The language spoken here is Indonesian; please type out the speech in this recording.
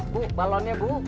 bu balonnya bu